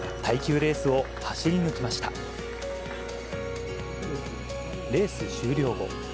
レース終了後。